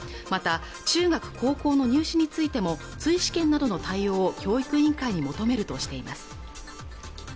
また中学高校の入試についても追試験などの対応を教育委員会に求めるとしています